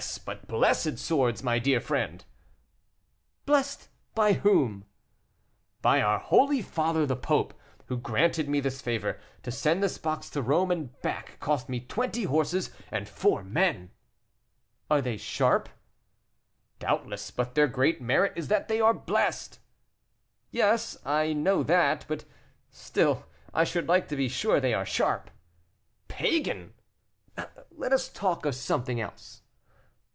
but blessed swords, my dear friend." "Blessed! by whom?" "By our holy father the Pope, who granted me this favor. To send this box to Rome and back, cost me twenty horses and four men." "Are they sharp?" "Doubtless; but their great merit is that they are blessed." "Yes, I know that; but still I should like to be sure they are sharp." "Pagan!" "Let us talk of something else."